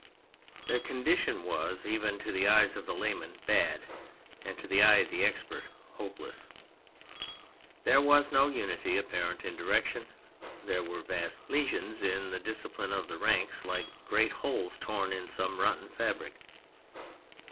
Their condition was, even to the eye of the layman, bad, and to the eye of the expert hopeless. There was no unity apparent in direction, there were vast lesions in the discipline of the ranks like great holes torn in some rotten fabric.